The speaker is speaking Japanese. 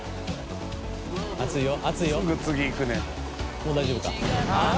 もう大丈夫かあっ。